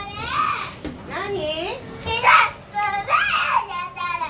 何？